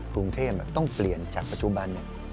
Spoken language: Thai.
กรุงเทพต้องเปลี่ยนจากปัจจุบัน